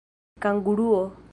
kanguruo